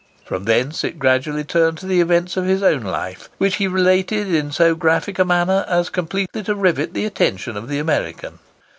From thence it gradually turned to the events of his own life, which he related in so graphic a manner as completely to rivet the attention of the American.